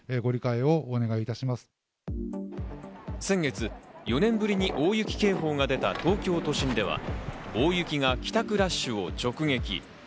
先月、４年ぶりに大雪警報が出た東京都心では大雪が帰宅ラッシュを直撃。